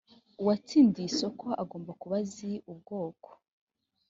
uwatsindiye isoko agomba kuba azi ubwoko